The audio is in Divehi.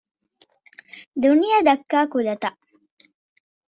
ދުނިޔެ ދައްކާ ކުލަތައް